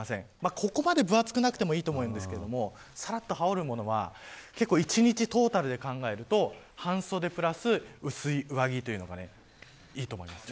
ここまで分厚くなくてもいいかもしれませんがさらっと羽織るものは１日トータルで考えると半袖プラス薄い上着というのがいいと思います。